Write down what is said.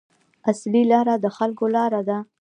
اصلي لاره د خلکو لاره ده.